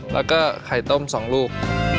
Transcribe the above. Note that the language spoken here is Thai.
แล้วก็ไข่ต้ม๒ลูก